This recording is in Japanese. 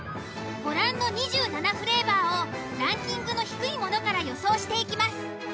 ご覧の２７フレーバーをランキングの低いものから予想していきます。